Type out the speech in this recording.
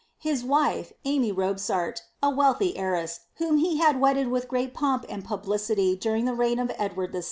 ^ His wife, Amy Robsart, a wealthy heiress, whom he had wedded with great pomp and publicity during the reign of Edward VI.